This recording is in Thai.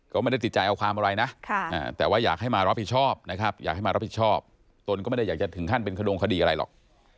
ก็ไม่ได้ติดใจเอาความอะไรนะแต่ว่าอยากให้มารับผิดชอบนะครับอยากให้มารับผิดชอบตนก็ไม่ได้อยากจะถึงขั้นเป็นขดงคดีอะไรหรอก